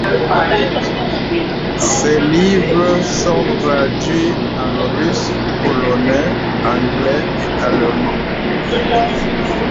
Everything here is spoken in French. Ses livres sont traduits en russe, polonais, anglais et allemand.